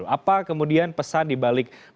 apa kemudian pesan di balik masing masing pidato tersebut